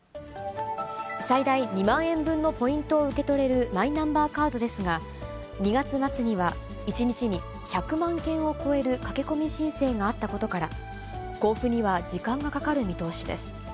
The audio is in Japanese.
最大２万円分のポイントを受け取れるマイナンバーカードですが、２月末には１日に１００万件を超える駆け込み申請があったことから、交付には時間がかかる見通しです。